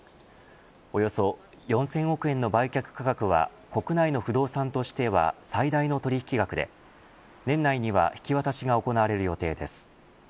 およそ４０００億円の売却価格は国内の不動産としては最大の取引額で年内には引き渡しが行われる予定です。